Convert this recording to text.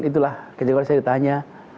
itulah kejauhan saya ditanya